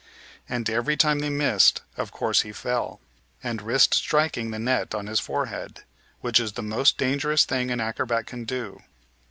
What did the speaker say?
And every time they missed of course he fell, and risked striking the net on his forehead, which is the most dangerous thing an acrobat can do.